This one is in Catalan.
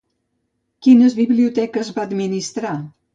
Quines biblioteques va administrar?